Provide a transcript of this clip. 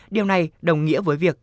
điều này đồng nghĩa với việc